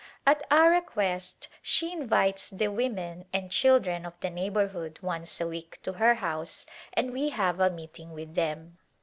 At our request she invites the women and children of the neighborhood once a week to her house and we have a meeting with them.